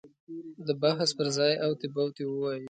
د بحث پر ځای اوتې بوتې ووایي.